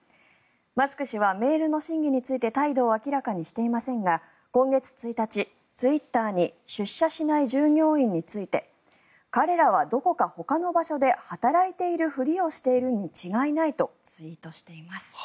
マスク氏はメールの真偽について態度を明らかにしていませんが今月１日、ツイッターに出社しない従業員について彼らはどこかほかの場所で働いているふりをしているに違いないとツイートしています。